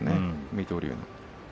水戸龍の。